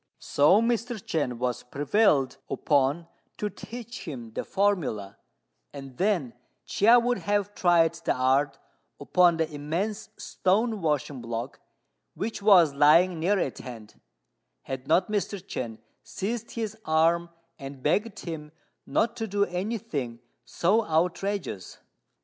So Mr. Chên was prevailed upon to teach him the formula, and then Chia would have tried the art upon the immense stone washing block which was lying near at hand, had not Mr. Chên seized his arm and begged him not to do any thing so outrageous.